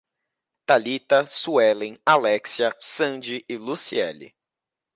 Thalita, Suellen, Alexia, Sandy e Luciele